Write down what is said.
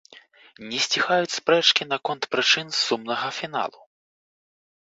Не сціхаюць спрэчкі наконт прычын сумнага фіналу.